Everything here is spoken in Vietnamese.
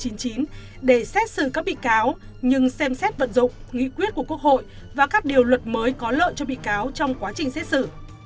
như có bị cáo nhưng xem xét vận dụng nghĩ quyết của quốc hội và các điều luật mới có lợi cho bị cáo trong quá trình xét xử